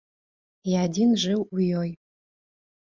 І адзін жыў у ёй.